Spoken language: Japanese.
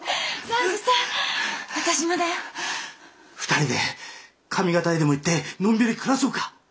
２人で上方へでも行ってのんびり暮らそうか？